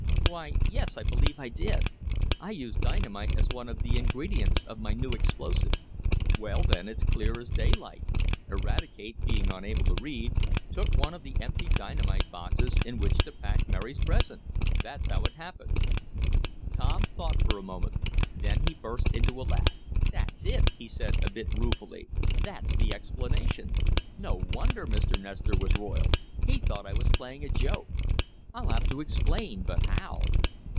"Why yes, I believe I did. I used dynamite as one of the ingredients of my new explosive." "Well then, it's as clear as daylight. Eradicate, being unable to read, took one of the empty dynamite boxes in which to pack Mary's present. That's how it happened." Tom thought for a moment. Then he burst into a laugh. "That's it," he said, a bit ruefully. "That's the explanation. No wonder Mr. Nestor was roiled. He thought I was playing a joke. I'll have to explain. But how?"